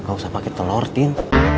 gak usah pakai telur tin